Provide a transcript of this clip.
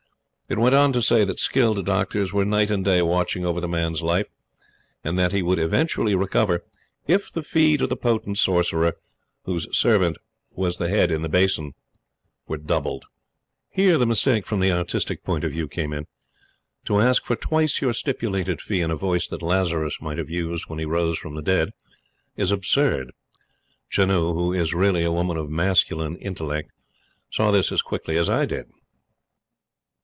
It went on to say that skilled doctors were night and day watching over the man's life; and that he would eventually recover if the fee to the potent sorcerer, whose servant was the head in the basin, were doubled. Here the mistake from the artistic point of view came in. To ask for twice your stipulated fee in a voice that Lazarus might have used when he rose from the dead, is absurd. Janoo, who is really a woman of masculine intellect, saw this as quickly as I did.